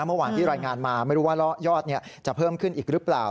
เมื่อวานที่รายงานมาไม่รู้ว่ายอดจะเพิ่มขึ้นอีกหรือเปล่า